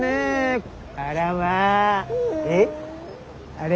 あれ？